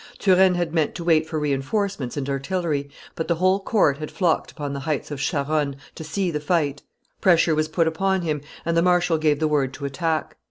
Turenne had meant to wait for re enforcements and artillery, but the whole court had flocked upon the heights of Charonne to see the fight; pressure was put upon him, and the marshal gave the word to attack.